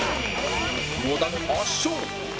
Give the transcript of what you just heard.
野田圧勝